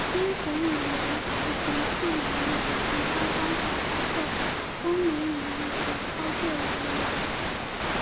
编程语言的形式语义的其他方法包括公理语义和操作语义。